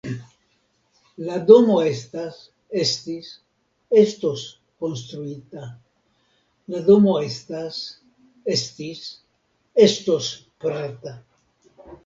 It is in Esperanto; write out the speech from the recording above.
La domo estas, estis, estos konstruita: la domo estas, estis, estos preta.